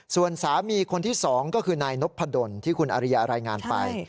ส่วนสามีคนที่๒ก็คือนายนพดลที่คุณอริยารายงานไป